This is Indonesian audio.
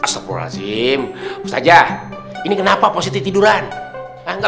sampai jumpa di video selanjutnya